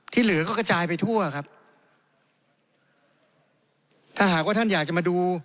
เหลือก็กระจายไปทั่วครับถ้าหากว่าท่านอยากจะมาดู